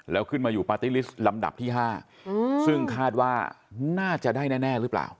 แล้วขึ้นมาอยู่ปาร์ตี้ลิสต์ลำดับที่๕ซึ่งคาดว่าน่าจะได้แน่หรือเปล่า